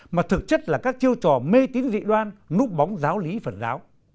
mà thực chất là các chiêu trò mê tín dị đoan núp bóng giáo lý phật giáo